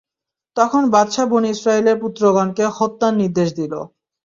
তখন বাদশাহ বনী ইসরাঈলের পুত্রগণকে হত্যার নির্দেশ দিল।